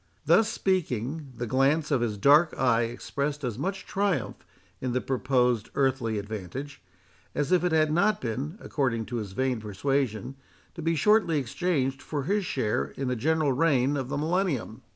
Thus speaking, the glance of his dark eye expressed as much triumph in the proposed earthly advantage, as if it had not been, according to his vain persuasion, to be shortly exchanged for his share in the general reign of the Millennium.